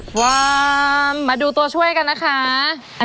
ความมาดูตัวช่วยกันนะคะ